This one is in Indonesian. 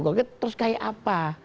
kok terus kayak apa